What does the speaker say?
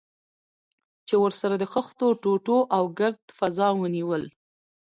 چې ورسره د خښتو ټوټو او ګرد فضا ونیول.